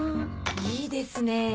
いいですね。